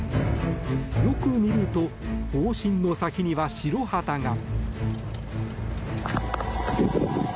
よく見ると砲身の先には白旗が。